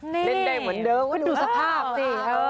เล่นได้เหมือนเดิมดูสภาพสิ